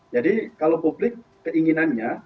jadi kalau publik keinginannya